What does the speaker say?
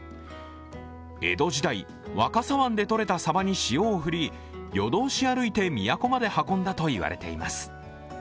江戸時代、若狭湾でとれたサバに塩を振り、夜通し歩いて都まで運んだと言われています。